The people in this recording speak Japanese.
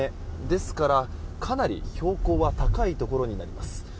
ですから、かなり標高は高いところになります。